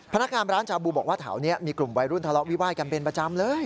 พนักงานร้านชาบูบอกว่าแถวนี้มีกลุ่มวัยรุ่นทะเลาะวิวาดกันเป็นประจำเลย